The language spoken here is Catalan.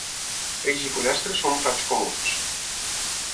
Peix i pollastre són plats comuns.